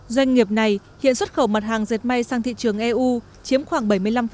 doanh nghiệp này hiện xuất khẩu mặt hàng dệt may sang thị trường eu chiếm khoảng bảy mươi năm